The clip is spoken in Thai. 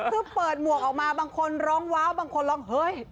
คือเปิดหมวกออกมาบางคนร้องว้าวบางคนร้องเฮ้ย